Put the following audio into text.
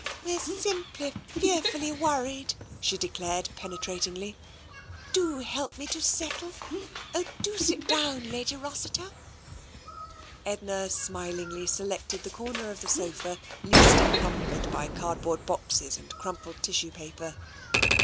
"We're simply fearfully worried," she declared penetratingly. " Do help me to settle. Oh, do sit down. Lady Rossiter! Edna smilingly selected the comer of the sofa least encumbered by cardboard boxes and crumpled tissue paper.